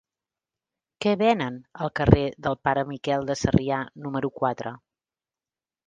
Què venen al carrer del Pare Miquel de Sarrià número quatre?